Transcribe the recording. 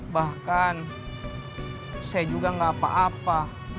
bahkan saya juga gak apa apa